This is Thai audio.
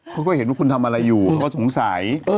เขาก็เห็นว่าคุณทำอะไรอยู่เขาก็สงสัย